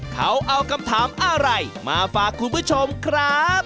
เขาเอาคำถามอะไรมาฝากคุณผู้ชมครับ